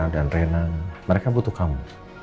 dan rena mereka butuh kamu